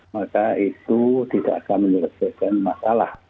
maka itu tidak akan menyelesaikan masalah